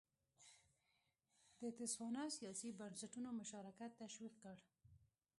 د تسوانا سیاسي بنسټونو مشارکت تشویق کړ.